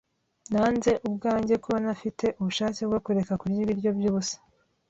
Nanze ubwanjye kuba ntafite ubushake bwo kureka kurya ibiryo byubusa